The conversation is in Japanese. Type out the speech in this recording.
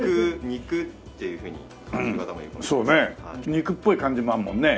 肉っぽい感じもあるもんね。